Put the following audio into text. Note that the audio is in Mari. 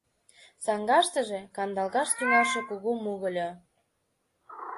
Саҥгаштыже — кандалгаш тӱҥалше кугу мугыльо.